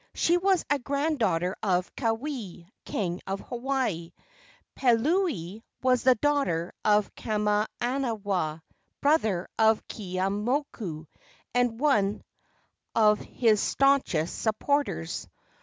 She was a granddaughter of Keawe, king of Hawaii. Peleuli was the daughter of Kamanawa, brother of Keeaumoku, and one of his stanchest supporters.